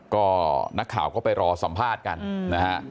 ก็นักข่าวก็ไปรอสัมภาษณ์กันนะฮะ